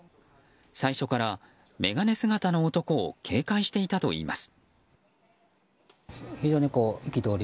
最初から眼鏡姿の男を警戒していたといいます。